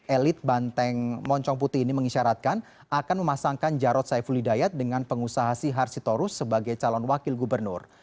elit banteng moncong putih ini mengisyaratkan akan memasangkan jarod saifuli dayat dengan pengusaha si harsitorus sebagai calon wakil gubernur